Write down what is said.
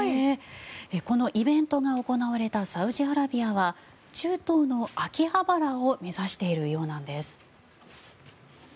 このイベントが行われたサウジアラビアは中東の秋葉原を目指しているようなんです。